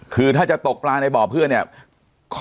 คือถ้าจะตกปลาในบ่อเพื่อนเนี่ย